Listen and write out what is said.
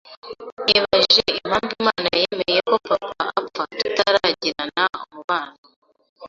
nibajije impamvu Imana yemeye ko papa apfa tutaragirana umubano